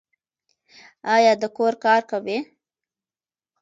ایا د کور کار کوي؟